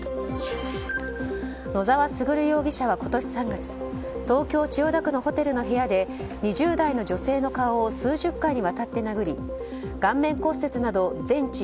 野沢優容疑者は今年３月東京・千代田区のホテルの部屋で２０代の女性の顔を数十回にわたって殴り顔面骨折など全治